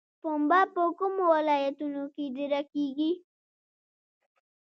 پنبه په کومو ولایتونو کې ډیره کیږي؟